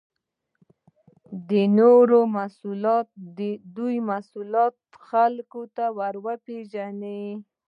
دوی محصولات خلکو ته ورپېژني.